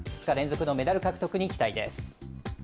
２日連続のメダル獲得に期待です。